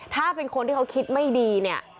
ถ้าเป็นคนที่เขาคิดไม่ดีเนี่ย